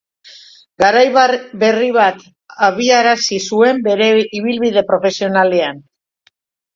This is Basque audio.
Garai berri bat abiarazi zuen bere ibilbide profesionalean.